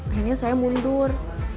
akhirnya saya mundur